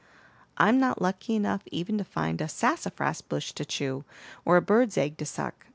I'm not lucky enough even to find a sassafras bush to chew, or a bird's egg to suck.